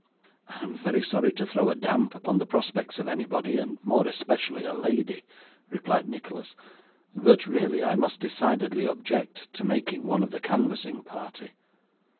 'I am very sorry to throw a damp upon the prospects of anybody, and more especially a lady,' replied Nicholas; 'but really I must decidedly object to making one of the canvassing party.